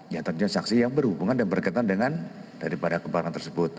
ya tentunya saksi yang berhubungan dan berkaitan dengan daripada kebakaran tersebut